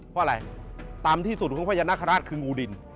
เพราะอะไรต่ำที่สุดของพญานาคาราชคืองูดิน